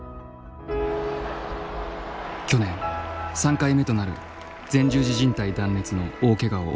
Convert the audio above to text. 去年３回目となる前十字じん帯断裂の大けがを負った。